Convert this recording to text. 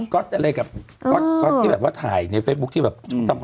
ก็อะไรกับก๊อตที่แบบว่าถ่ายในเฟซบุ๊คที่แบบ